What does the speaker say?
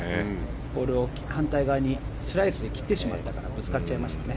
ボールを反対側にスライスで切ってしまったからぶつかりましたね。